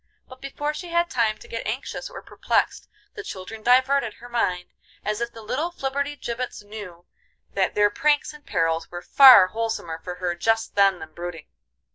But before she had time to get anxious or perplexed the children diverted her mind, as if the little flibberty gibbets knew that their pranks and perils were far wholesomer for her just then than brooding.